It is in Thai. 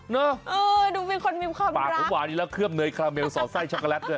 เออดูมีคนมีความปากผมหวานอีกแล้วเคลือบเนยคาเมลสอดไส้ช็อกโกแลตด้วย